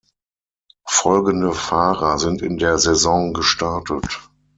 Folgende Fahrer sind in der Saison gestartet.